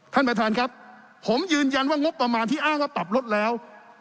ท่านประธานครับผมยืนยันว่างบประมาณที่อ้างว่าปรับลดแล้ว